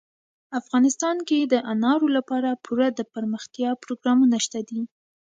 افغانستان کې د انارو لپاره پوره دپرمختیا پروګرامونه شته دي.